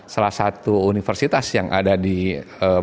salah satu universitas yang ada di indonesia